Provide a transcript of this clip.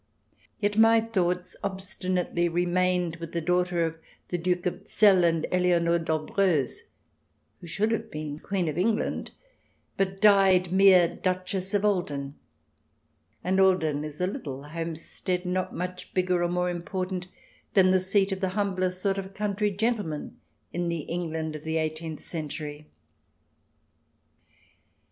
Yet my thoughts obstinately remained with the daughter of the Duke of Zell and Eleonore d'Olbreuse, who should have been Queen of England, but died mere Duchess of Ahlden, and Ahlden is a little homestead not much bigger or more important than the seat of the humbler sort of country gentle man in the England of the eighteenth century.